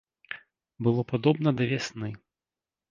Было падобна да вясны.